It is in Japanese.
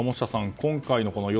今回の与